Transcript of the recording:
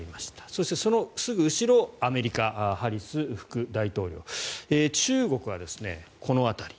そして、そのすぐ後ろアメリカ、ハリス副大統領中国はこの辺り。